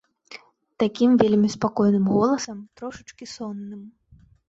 Такім вельмі спакойным голасам, трошачкі сонным.